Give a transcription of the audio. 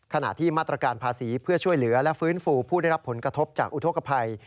ขณะที่มาตรการภาษีเพื่อช่วยเหลือและฟื้นฟูผู้ได้รับผลกระทบจากอุทธกภัย